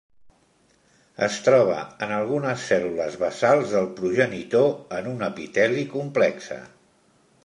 Es troba en algunes cèl·lules basals del progenitor en un epiteli complexe.